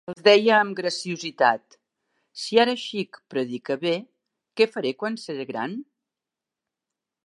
Els deia amb graciositat: «Si ara xic predique bé, què faré quan seré gran?»